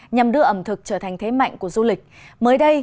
nhằm đưa ẩm thực trở thành thế mạnh của du lịch mới đây